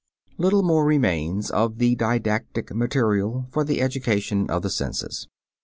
] Little more remains of the didactic material for the education of the senses.